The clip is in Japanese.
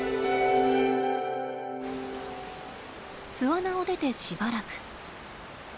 巣穴を出てしばらく。